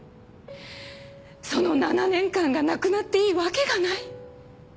その７年間がなくなっていいわけがない。